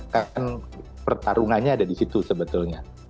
karena pertarungannya ada di situ sebetulnya